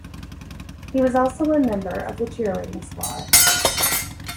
He was also a member of the cheerleading squad.